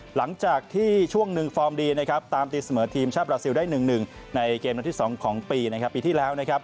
หลังจากที่ช่วงหนึ่งฟอร์มดีตามตีเสมอทีมชาติบราซิลได้๑๑ในเกมที่๒ของปีปีที่แล้ว